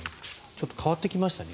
ちょっと変わってきましたね。